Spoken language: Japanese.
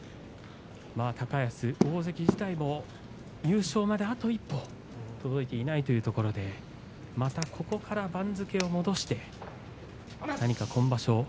高安、大関時代も優勝まであと一歩届いていないというところでまたここから番付を戻して何か今場所